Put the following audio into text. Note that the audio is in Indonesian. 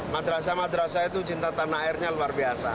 madrasah madrasah itu cinta tanah airnya luar biasa